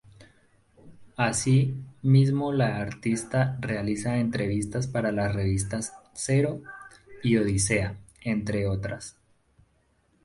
Así mismo la artista realiza entrevistas para las revistas "Zero" y "Odisea", entre otras.